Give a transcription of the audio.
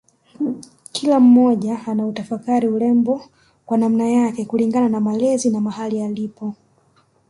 Kila mmoja anautafakari urembo kwa namna yake kulingana na malezi na mahali alipo